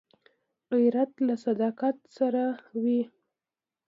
غیرت له صداقت سره وي